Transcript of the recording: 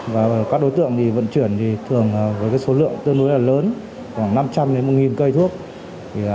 và các đối tượng vận chuyển thường với số lượng tương đối lớn khoảng năm trăm linh một cây thuốc